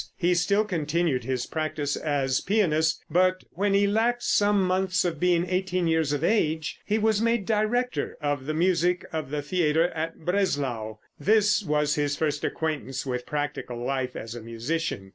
He still continued his practice as pianist, but when he lacked some months of being eighteen years of age he was made director of the music of the theater at Breslau. This was his first acquaintance with practical life as a musician.